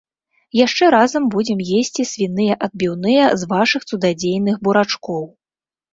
Яшчэ разам будзем есці свіныя адбіўныя з вашых цудадзейных бурачкоў.